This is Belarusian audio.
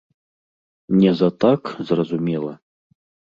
Не за так, зразумела.